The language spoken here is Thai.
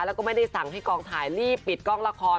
แล้วก็ไม่ได้สั่งให้กองถ่ายรีบปิดกล้องละคร